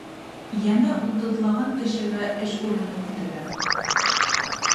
Йәнә утыҙлаған кешегә эш урыны көтөлә.